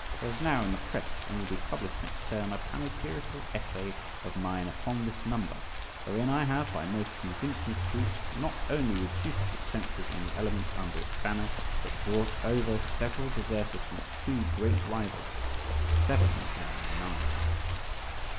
There is now in the press, and will be published next term, a panegyrical essay of mine upon this number, wherein I have, by most convincing proofs, not only reduced the senses and the elements under its banner, but brought over several deserters from its two great rivals, SEVEN and NINE.